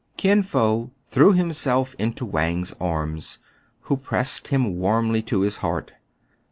Kin Fo threw himself into Wang's arms, who pressed him warmly to his heart.